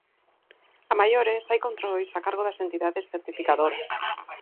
A maiores, hai controis a cargo das entidades certificadoras.